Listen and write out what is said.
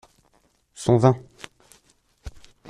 son vin.